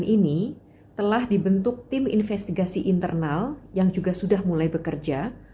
ini telah dibentuk tim investigasi internal yang juga sudah mulai bekerja